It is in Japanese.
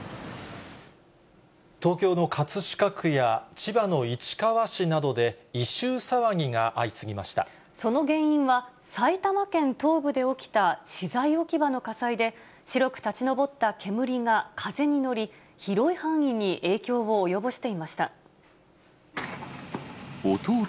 東京の葛飾区や千葉の市川市その原因は、埼玉県東部で起きた資材置き場の火災で、白く立ち上った煙が風に乗り、広い範囲に影響を及ぼしていました。